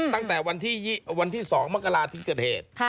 ตั้งแต่วันที่๒มกราศิกรเทศ